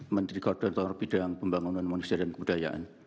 menteri koordinator bidang pembangunan manusia dan kebudayaan